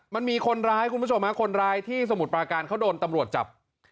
มันมีคนร้ายคุณผู้ชมฮะคนร้ายที่สมุทรปราการเขาโดนตำรวจจับ